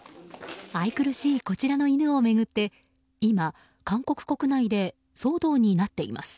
愛くるしいこちらの犬を巡って今、韓国国内で騒動になっています。